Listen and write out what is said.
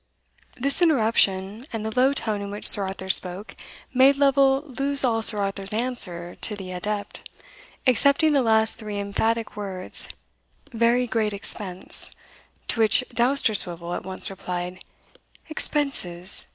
This interruption, and the low tone in which Sir Arthur spoke, made Lovel lose all Sir Arthur's answer to the adept, excepting the last three emphatic words, "Very great expense;" to which Dousterswivel at once replied "Expenses!